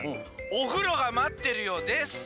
「おふろがまってるよ」です。